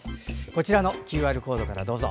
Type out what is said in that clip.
こちらのＱＲコードからどうぞ。